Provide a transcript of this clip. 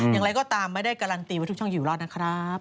อย่างไรก็ตามไม่ได้การันตีว่าทุกช่องอยู่รอดนะครับ